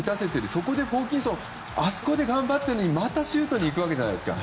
そこでホーキンソン選手あそこで頑張ったのにまたシュートに行くわけじゃないですか。